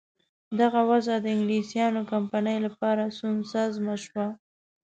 دغه وضع د انګلیسیانو کمپنۍ لپاره سونسزمه شوه.